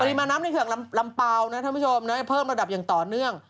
ปริมาณน้ำในแขวนลำเปล่าเพิ่มระดับยังต่อเนื่อง